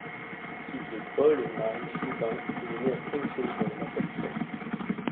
Fils de Paul et Mary Philbin, il est né à Springfield dans le Massachusetts.